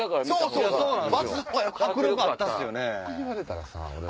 それ言われたらさ。